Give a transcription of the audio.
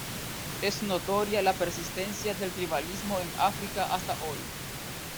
Es notoria la persistencia del tribalismo en África hasta hoy.